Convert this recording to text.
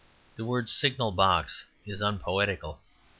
The word "signal box" is unpoetical.